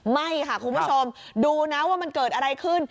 ไม่ค่ะคุณผู้ชมดูนะว่ามันเกิดอะไรขึ้น